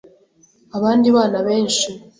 Abandi bana benshi